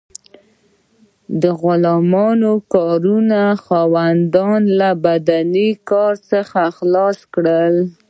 د غلامانو کارونو خاوندان له بدني کار څخه خلاص کړل.